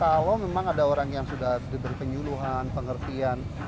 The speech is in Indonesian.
kalau memang ada orang yang sudah diberi penyuluhan pengertian